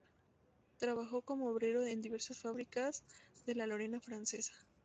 Trabajó como obrero en diversas fábricas de la Lorena francesa.